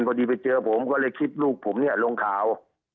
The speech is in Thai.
พอดีไปเจอผมก็เลยคิดลูกผมเนี่ยลงข่าว